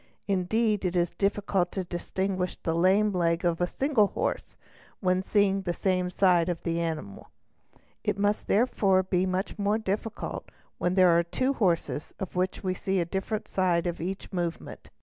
Indeed it is difficult to distinguish the lame leg of a single horse, when seeing the : same side of the animal; it must therefore be much more difficult when ~ there are two horses of which we see a different side at each movement.